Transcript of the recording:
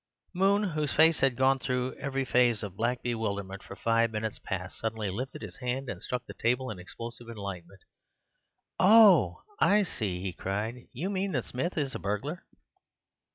Moon, whose face had gone through every phase of black bewilderment for five minutes past, suddenly lifted his hand and struck the table in explosive enlightenment. "Oh, I see!" he cried; "you mean that Smith is a burglar."